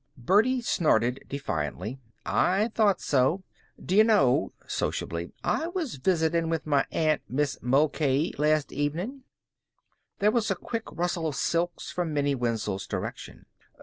Birdie snorted defiantly. "I thought so. D'ye know," sociably, "I was visitin' with my aunt Mis' Mulcahy last evenin'." There was a quick rustle of silks from Minnie Wenzel's direction.